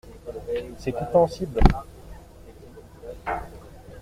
C’est compréhensible.